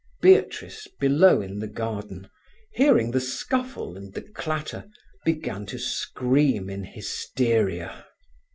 Beatrice, below in the garden, hearing the scuffle and the clatter, began to scream in hysteria.